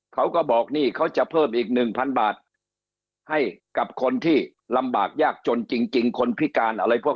เขาก็บอกหนี้เขาจะเพิ่มอีกหนึ่งพันบาทให้กับคนที่ลำบากยากจนจริงคนพิการอะไรพวก